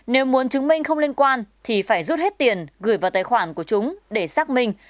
nếu muốn chứng minh không liên quan thì phải rút hết tiền gửi vào tài khoản của chúng để xác minh